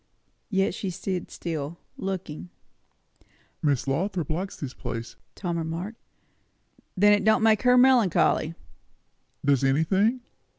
Yet she stood still, looking. "Miss Lothrop likes this place," Tom remarked. "Then it don't make her melancholy." "Does anything?"